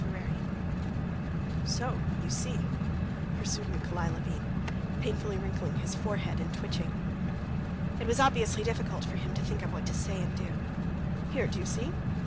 Chapter 25 "So you see," pursued Nikolay Levin, painfully wrinkling his forehead and twitching. It was obviously difficult for him to think of what to say and do. "Here, do you see?"...